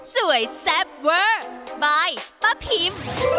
แซ่บเวอร์บายป้าพิม